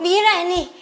biar deh nih